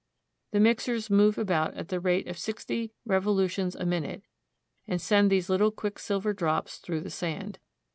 The mixers move about at the rate of sixty revolutions a min ute, and send these little quicksilver drops through the sand.